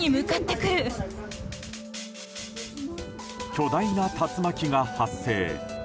巨大な竜巻が発生。